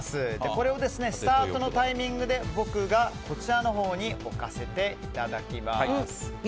これをスタートのタイミングで僕がこちらに置かせていただきます。